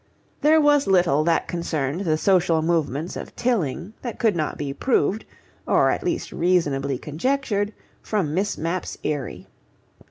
There was little that concerned the social movements of Tilling that could not be proved, or at least reasonably conjectured, from Miss Mapp's eyrie.